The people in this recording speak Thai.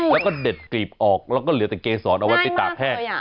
แล้วก็เด็ดกลีบออกแล้วก็เหลือแต่เกษรเอาไว้ไปตากแห้ง